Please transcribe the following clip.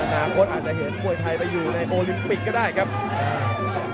อนาคตอาจจะเห็นมวยไทยไปอยู่ในโอลิมปิกก็ได้ครับ